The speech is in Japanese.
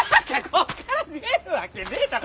こっから見えるわけねえだろ。